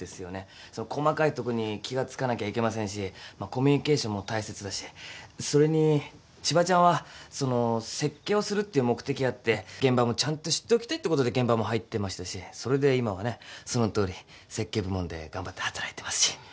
その細かいとこに気が付かなきゃいけませんしまあコミュニケーションも大切だしそれに千葉ちゃんはその設計をするっていう目的あって現場もちゃんと知っておきたいってことで現場も入ってましたしそれで今はねそのとおり設計部門で頑張って働いてますし。